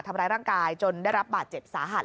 ทำร้ายร่างกายจนได้รับบาดเจ็บสาหัส